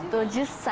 １０歳！